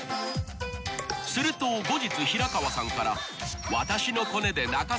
［すると後日平川さんから］